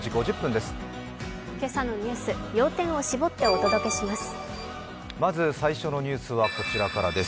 今朝のニュース、要点を絞ってお届けします。